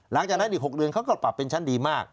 หลังจากนั้นอีก๖เดือนเขาก็ปรับเป็นชั้นดีมาก